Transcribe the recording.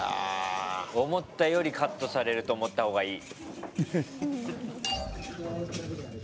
思ったよりカットされると思ったほうがいい。